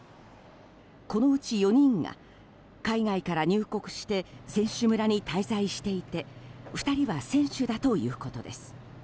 このうち４人が海外から入国して、選手村に滞在していて２人は選手だということです。